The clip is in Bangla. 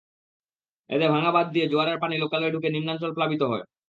এতে ভাঙা বাঁধ দিয়ে জোয়ারের পানি লোকালয়ে ঢুকে নিম্নাঞ্চল প্লাবিত হয়।